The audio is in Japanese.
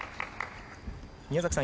宮崎さん